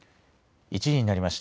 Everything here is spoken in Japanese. １時になりました。